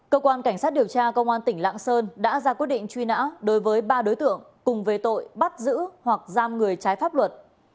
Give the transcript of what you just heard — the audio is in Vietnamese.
cơ quan cảnh sát điều tra công an tỉnh lạng sơn đã ra quyết định truy nã đối với ba đối tượng cùng về tội bắt giữ hoặc giam người trái pháp luật